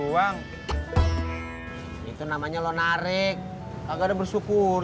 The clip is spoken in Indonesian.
betul kita sudah berumur